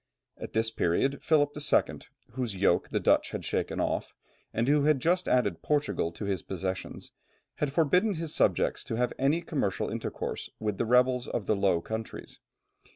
At this period Philip II., whose yoke the Dutch had shaken off, and who had just added Portugal to his possessions, had forbidden his subjects to have any commercial intercourse with the rebels of the Low Countries.